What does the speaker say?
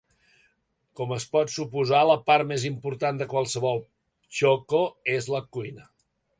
Com es pot suposar la part més important de qualsevol txoko és la cuina.